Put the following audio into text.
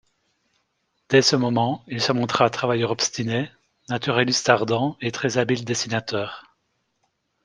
Dès ce moment, il se montra travailleur obstiné, naturaliste ardent et très habile dessinateur.